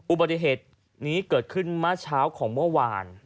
อุบัติเหตุนี้เกิดขึ้นเมื่อเช้าของเมื่อวาน